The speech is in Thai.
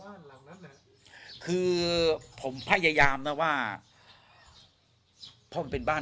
หลังนั้นน่ะคือผมพยายามนะว่าเพราะมันเป็นบ้าน